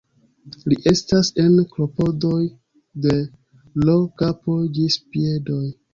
Li estas en klopodoj de l' kapo ĝis piedoj.